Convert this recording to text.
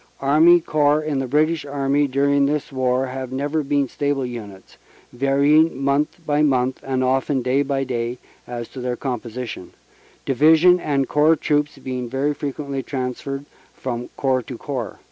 Army Corps in the British Army during this war have never been stable units, varying month by month (and often day by day) as to their composition, Division and Corps Troops being very frequently transferred from corps to corps.